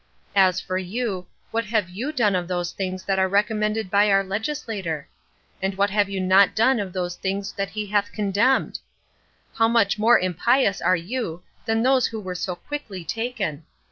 As for you, what have you done of those things that are recommended by our legislator? and what have you not done of those things that he hath condemned? How much more impious are you than those who were so quickly taken!